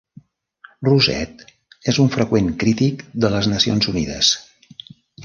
Rosett es un freqüent crític de les Nacions Unides.